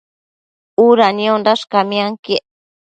Uda niosh camianquiec